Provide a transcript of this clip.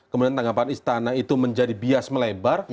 kemudian tanggapan istana itu menjadi bias melebar